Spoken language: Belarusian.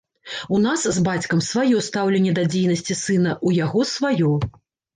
У нас з бацькам сваё стаўленне да дзейнасці сына, у яго сваё.